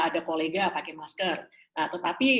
ada kolega pakai masker tetapi